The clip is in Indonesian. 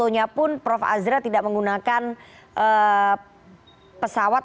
selalunya pun prof asra tidak menggunakan pesawat